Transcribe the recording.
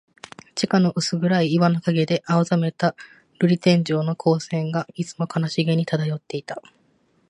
地下の薄暗い岩の影で、青ざめた玻璃天井の光線が、いつも悲しげに漂っていた。